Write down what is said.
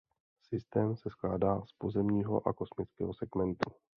Systém se skládá z pozemního a kosmického segmentu.